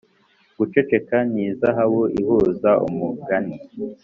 guceceka ni zahabu ihuza umugani